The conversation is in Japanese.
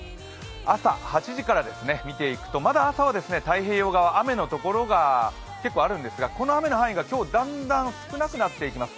朝８時から見ていくと、まだ朝は太平洋側、雨のところが結構あるんですがこの雨の範囲が今日、だんだん少なくなっていきます。